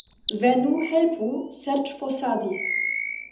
Venu, helpu serĉfosadi.